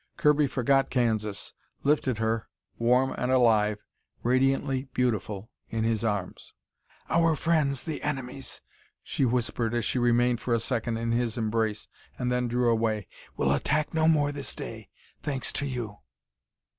Kirby forgot Kansas, lifted her, warm and alive, radiantly beautiful, in his arms. "Our friends the enemies," she whispered as she remained for a second in his embrace and then drew away, "will attack no more this day thanks to you."